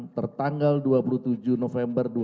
tertanggal dua puluh tujuh november dua ribu tujuh belas